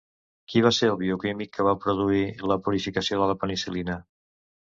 Qui va ser el bioquímic que va produir la purificació de la penicil·lina?